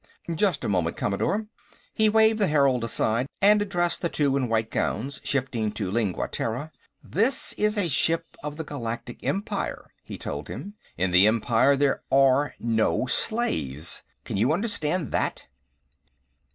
"Just a moment, Commodore." He waved the herald aside and addressed the two in white gowns, shifting to Lingua Terra. "This is a ship of the Galactic Empire," he told them. "In the Empire, there are no slaves. Can you understand that?"